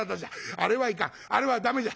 あれはいかんあれは駄目じゃ。